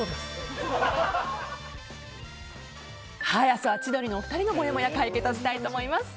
明日は千鳥の二人のもやもやを解決したいと思います。